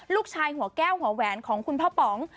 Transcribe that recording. หัวแก้วหัวแหวนของคุณพ่อป๋อง